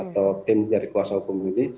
atau tim dari kuasa hukum ini